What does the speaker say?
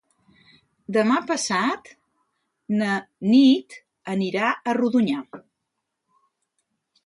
Demà passat na Nit anirà a Rodonyà.